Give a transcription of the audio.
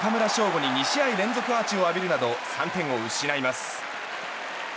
吾に２試合連続アーチを浴びるなど３点を失います。